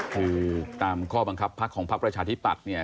คือตามข้อบังคับพักของพักประชาธิปัตย์เนี่ย